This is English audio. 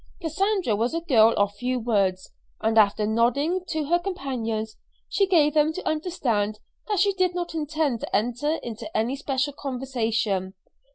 Cassandra was a girl of few words, and after nodding to her companions, she gave them to understand that she did not intend to enter into any special conversation.